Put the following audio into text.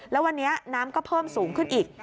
แล้ววันนี้น้ำก็เพิ่มสูงขึ้นอีก